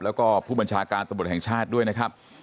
แล้วก็ผู้บัญชาการตำรวจแห่งชาติด้วยนะครับ